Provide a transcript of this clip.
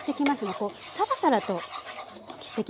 こうサラサラとしてきました。